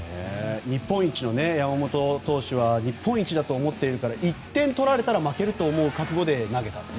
山本投手は日本一だと思っているから１点取られたら負けると思う覚悟で投げたと。